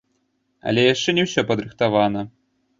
Але яшчэ не ўсё падрыхтавана.